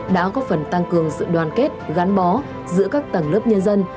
đã có phần tăng cường sự đoàn kết gắn bó giữa các tầng lớp nhân dân